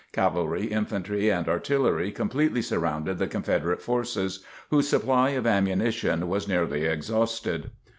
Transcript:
Cavalry, infantry and artillery completely surrounded the Confederate forces, whose supply of ammunition was nearly exhausted.